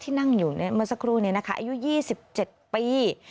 ที่นั่งอยู่เนี่ยเมื่อสักครู่เนี่ยนะคะอายุยี่สิบเจ็ดปี